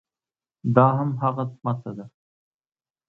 دا هماغه څمڅه ده.